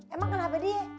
emang kenapa dia